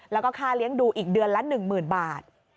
แล้วก็ค่าเลี้ยงดูอีกเดือนละ๑๐๐๐บาท